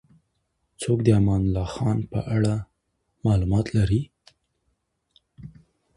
څوک د امان الله خان په اړه معلومات لري؟